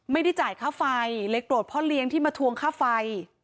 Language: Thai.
ไม่ได้จ่ายข้าวไฟเลยกดพ่อเลี้ยงที่มาทวงข้าวไฟ